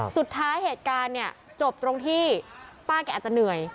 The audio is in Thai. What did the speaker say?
เหตุการณ์เนี่ยจบตรงที่ป้าแกอาจจะเหนื่อย